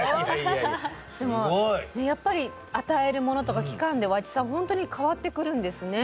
でもやっぱり与えるものとか期間で和知さん本当に変わってくるんですね。